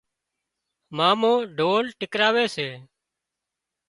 مامو ڍول ٽِڪراوي سي